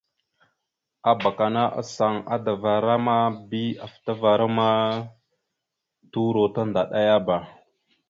Abak ana asaŋ adavara ma bi afətavara ma turo tandaɗayaba.